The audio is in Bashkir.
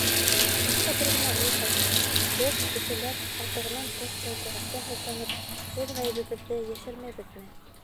Башта бер генә уй ҡайнай: беҙ, кешеләр, артығынан тыш тәбиғәткә һылтанып, үҙ ғәйебебеҙҙе йәшермәйбеҙме?